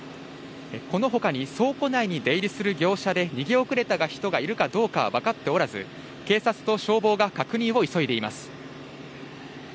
このほかに倉庫内に出入りする業者で逃げ遅れた人がいるかどうかは分かっておらず、警察と消防が確認を急いでいます。